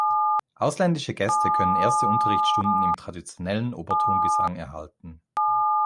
Ausländische Gäste können erste Unterrichtsstunden im traditionellen Obertongesang erhalten.